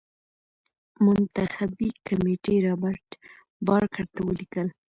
منتخبي کمېټې رابرټ بارکر ته ولیکل.